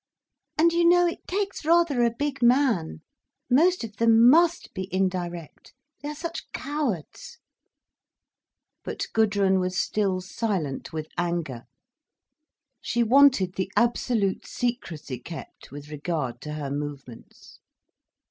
And you know, it takes rather a big man. Most of them must be indirect, they are such cowards." But Gudrun was still silent with anger. She wanted the absolute secrecy kept, with regard to her movements.